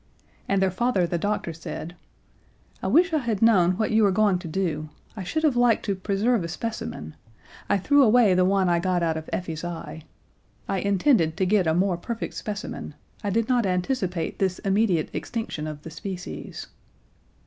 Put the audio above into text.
And their father the doctor said: "I wish I had known what you were going to do! I should have liked to preserve a specimen. I threw away the one I got out of Effie's eye. I intended to get a more perfect specimen. I did not anticipate this immediate extinction of the species."